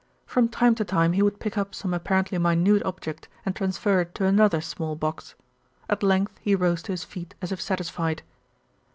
From time to time he would pick up some apparently minute object and transfer it to another small box. At length he rose to his feet as if satisfied.